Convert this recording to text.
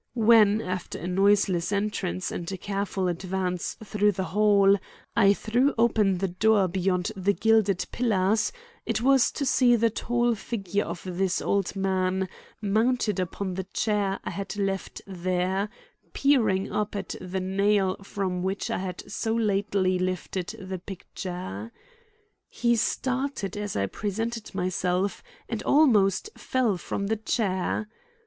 When, after a noiseless entrance and a careful advance through the hall, I threw open the door beyond the gilded pillars, it was to see the tall figure of this old man mounted upon the chair I had left there, peering up at the nail from which I had so lately lifted the picture. He started as I presented myself and almost fell from the chair.